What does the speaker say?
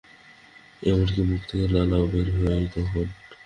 এমনকি মুখ থেকে লালাও বের হয় তখন।